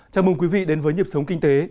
chào mừng quý vị đến với nhịp sống kinh tế